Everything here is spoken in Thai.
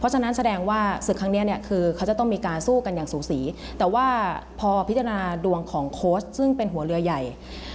แสดงว่าตอนนี้ศิษย์ครั้งนี้จะถูกสู้กันอย่างสูสีตั้งแต่พอพิจารณาดวงของโคชส์ซึ่งเป็นหัวเรือใหญ่